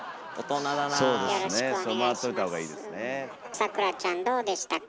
サクラちゃんどうでしたか？